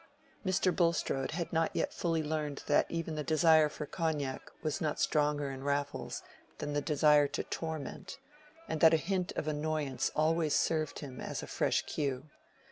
Mr. Bulstrode had not yet fully learned that even the desire for cognac was not stronger in Raffles than the desire to torment, and that a hint of annoyance always served him as a fresh cue.